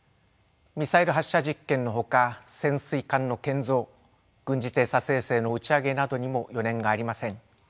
ミサイル発射実験のほか潜水艦の建造軍事偵察衛星の打ち上げなどにも余念がありません。